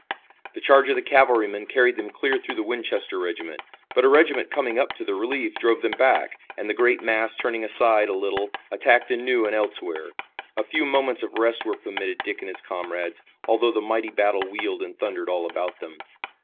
The charge of the cavalrymen carried them clear through the Winchester regiment, but a regiment coming up to the relief drove them back, and the great mass turning aside a little attacked anew and elsewhere. A few moments of rest were permitted Dick and his comrades, although the mighty battle wheeled and thundered all about them.